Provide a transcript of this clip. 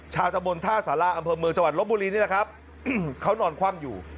ตะบนท่าสาราอำเภอเมืองจังหวัดลบบุรีนี่แหละครับเขานอนคว่ำอยู่